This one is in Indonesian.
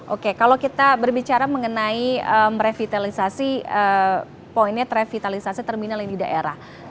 oke kalau kita berbicara mengenai merevitalisasi poinnya revitalisasi terminal yang di daerah